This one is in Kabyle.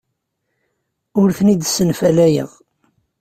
Ur ten-id-ssenfalayeɣ.